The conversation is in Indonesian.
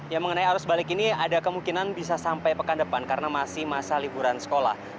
ya mengenai arus balik ini ada kemungkinan bisa sampai pekan depan karena masih masa liburan sekolah